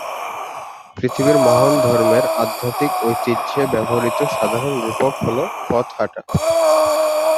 পৃথিবীর মহান ধর্মের আধ্যাত্মিক ঐতিহ্যে ব্যবহৃত সাধারণ রূপক হল পথ হাঁটা।